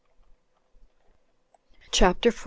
CHAPTER 4.